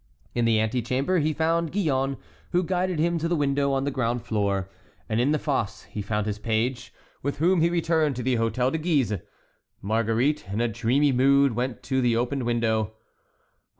In the antechamber he found Gillonne, who guided him to the window on the ground floor, and in the fosse he found his page, with whom he returned to the Hôtel de Guise. Marguerite, in a dreamy mood, went to the opened window.